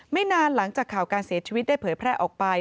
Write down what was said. ไม่นานหลังจากข่าวการเสียชีวิตได้เผยแพร่ออกไป